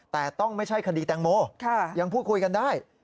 แต่ต้องไม่ใช่คดีแตงโมยังพูดคุยกันได้